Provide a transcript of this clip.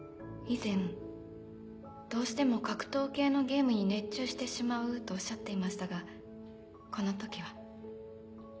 以前どうしても格闘系のゲームに熱中してしまうとおっしゃっていましたがこの時は？